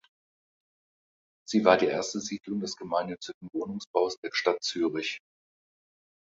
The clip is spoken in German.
Sie war die erste Siedlung des gemeinnützigen Wohnungsbaus der Stadt Zürich.